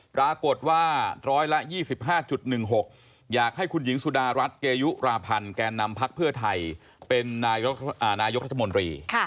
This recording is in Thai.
ปรากฏว่าร้อยละ๒๕๑๖อยากให้คุณหญิงสุดารัฐเกยุราพันธ์แก่นำพักเพื่อไทยเป็นนายกรัฐมนตรี